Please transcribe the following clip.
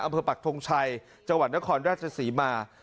อำเภอปักทงชัยจังหวัดนครราชสีมา